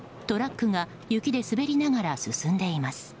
トラックが雪で滑りながら進んでいます。